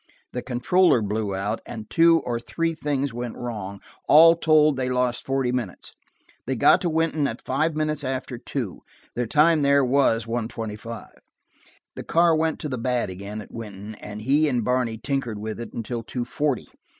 The controller blew out, and two or three things went wrong: all told they lost forty minutes. They got to Wynton at five minutes after two; their time there was one twenty five. The car went to the bad again at Wynton, and he and Barney tinkered with it until two forty.